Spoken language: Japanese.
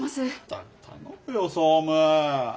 たく頼むよ総務。